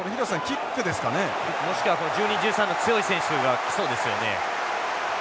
キックもしくは１２１３の強い選手が来そうですよね。